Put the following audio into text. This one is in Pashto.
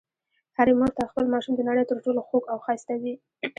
هرې مور ته خپل ماشوم د نړۍ تر ټولو خوږ او ښایسته وي.